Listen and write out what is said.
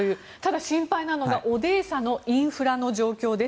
ただ心配なのはオデーサのインフラの状況です。